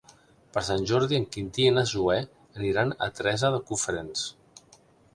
Per Sant Jordi en Quintí i na Zoè aniran a Teresa de Cofrents.